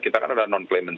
kita kan ada non claimant